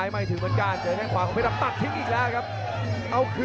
ไม่ทิ้งทางซ้ายไม่น้อยถึงมันก้าน